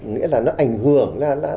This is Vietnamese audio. nghĩa là nó ảnh hưởng là